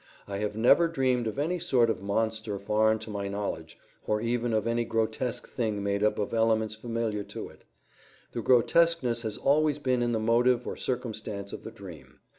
I have never dreamed of any sort of monster foreign to my knowledge, or even of any grotesque thing made up of elements familiar to it; the grotesqueness has always been in the motive or circumstance of the dream.